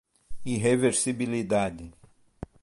irreversibilidade